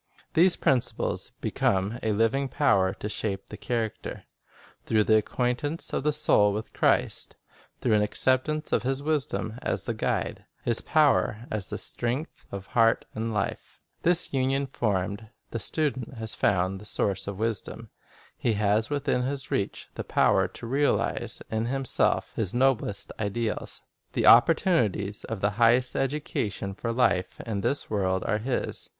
These principles become a living power to shape the character, through the acquaintance of the soul with Christ; through an acceptance of His wisdom as the guide, His power as the strength, of heart and life. This union formed, the student has found the Source of wisdom. He has within his reach the power to realize in himself his noblest ideals. The oppor tunities of the highest education for life in this world are his.